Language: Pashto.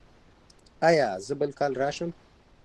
ایا زه بل کال راشم؟